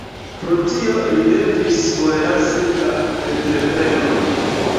Pro tio li devis forlasi la entreprenon.